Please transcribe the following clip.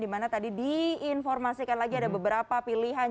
dimana tadi diinformasikan lagi ada beberapa pilihan